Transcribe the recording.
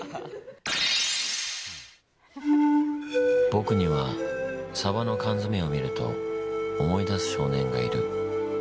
僕にはサバの缶詰を見ると思い出す少年がいる。